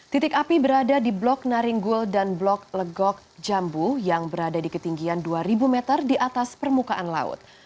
titik api berada di blok naringgul dan blok legok jambu yang berada di ketinggian dua ribu meter di atas permukaan laut